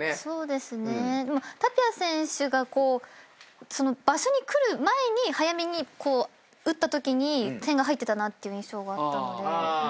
でもタピア選手がこうその場所に来る前に早めに打ったときに点が入ってたなっていう印象があったので。